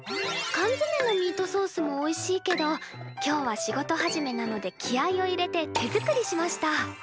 かんづめのミートソースもおいしいけど今日は仕事始めなので気合いを入れて手作りしました。